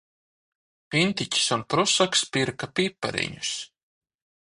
Pintiķis un prusaks pirka pipariņus.